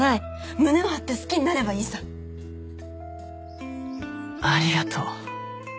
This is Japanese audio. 胸を張って好きになればいいさありがと